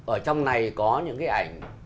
ở trong này có những cái ảnh